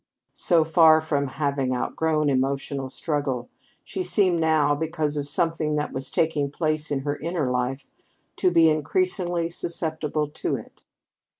So far from having outgrown emotional struggle, she seemed now, because of something that was taking place in her inner life, to be increasingly susceptible to it.